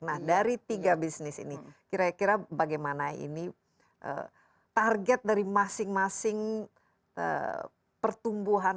nah dari tiga bisnis ini kira kira bagaimana ini target dari masing masing pertumbuhan